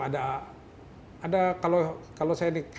ada ada kalau saya ini